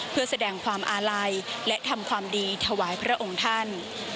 เพื่อแสดงความอาลัยและทำความดีถวายพระองค์ท่าน